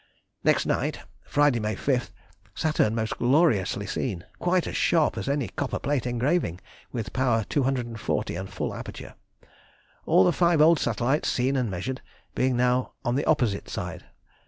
Next night, Friday, May 5, Saturn most gloriously seen: quite as sharp as any copper plate engraving, with power 240 and full aperture. All the five old satellites seen and measured, being now on the opposite side.